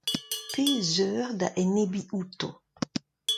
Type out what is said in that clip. Pe zeur da enebiñ outo ?